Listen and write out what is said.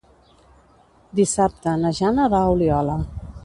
Dissabte na Jana va a Oliola.